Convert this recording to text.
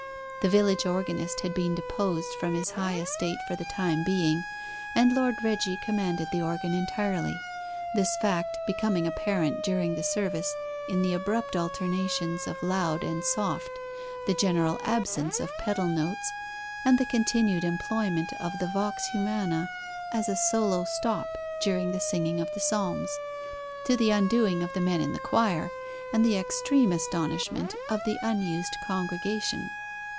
The village organist had been deposed from his high estate for the time being, and Lord Reggie commanded the organ entirely this fact becoming apparent during the service in the abrupt alternations of loud and soft, the general absence of pedal notes, and the continued employment of the vox humana as a solo stop during the singing of the psalms, to the undoing of the men in the choir, and the extreme astonishment of the unused congregation.